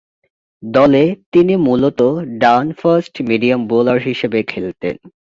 দলে তিনি মূলতঃ ডান ফাস্ট-মিডিয়াম বোলার হিসেবে খেলতেন।